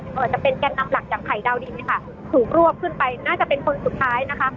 ว่าจะเป็นแก่นนำหลักอย่างไผ่ดาวดินค่ะถูกรวบขึ้นไปน่าจะเป็นคนสุดท้ายนะคะ